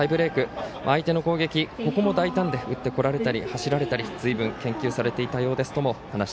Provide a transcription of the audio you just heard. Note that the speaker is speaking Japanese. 延長タイブレーク相手の攻撃も大胆で打ってこられたり、走られたりずいぶん研究されていたようです。